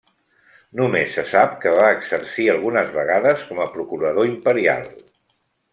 Només se sap que va exercir algunes vegades com a procurador imperial.